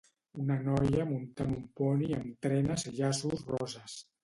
Una noia muntant un poni amb trenes i llaços roses